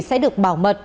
sẽ được bảo mật